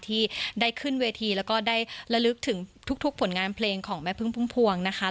ที่ได้ขึ้นเวทีแล้วก็ได้ระลึกถึงทุกผลงานเพลงของแม่พึ่งพุ่มพวงนะคะ